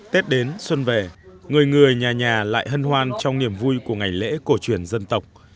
tết đến xuân về người người nhà nhà lại hân hoan trong niềm vui của ngày lễ cổ truyền dân tộc